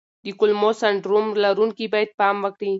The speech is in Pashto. د کولمو سنډروم لرونکي باید پام وکړي.